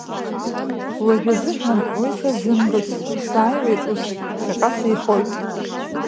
Уажәазыҳәан уи сазымгац, сааиуеит ус, ԥхьаҟа сеихоит.